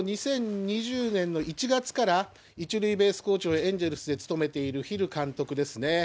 ２０２０年の１月から、１塁ベースコーチをエンゼルスで務めているヒル監督ですね。